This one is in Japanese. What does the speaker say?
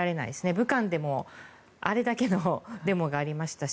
武漢でもあれだけのデモがありましたし。